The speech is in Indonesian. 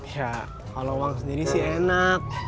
kalau uang sendiri sih enak